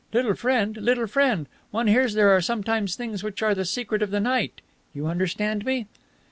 "Little friend! Little friend! One hears there sometimes things which are the secret of the night! You understand me?"